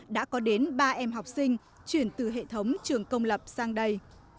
hai nghìn một mươi sáu hai nghìn một mươi bảy đã có đến ba em học sinh chuyển từ hệ thống trường công lập sang đây